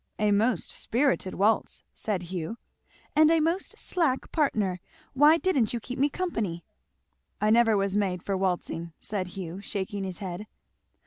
"A most, spirited waltz!" said Hugh. "And a most slack partner. Why didn't you keep me company?" "I never was made for waltzing," said Hugh shaking his head.